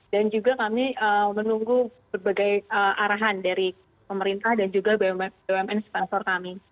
dan juga kami menunggu berbagai arahan dari pemerintah dan juga bumn sponsor kami